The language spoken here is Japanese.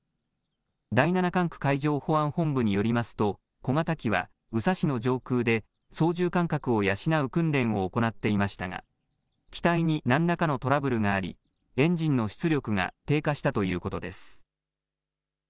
第７管区海上保安本部によりますと小型機は宇佐市の上空で操縦感覚を養う訓練を行っていましたが機体に何らかのトラブルがありエンジンの出力が低下したということです。